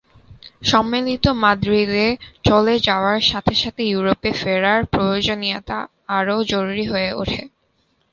সম্মেলনটি মাদ্রিদে চলে যাওয়ার সাথে সাথে ইউরোপে ফেরার প্রয়োজনীয়তা আরও জরুরি হয়ে ওঠে।